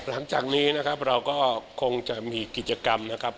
หลังจากนี้นะครับเราก็คงจะมีกิจกรรมนะครับ